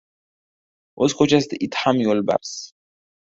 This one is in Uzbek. • O‘z ko‘chasida it ham — yo‘lbars.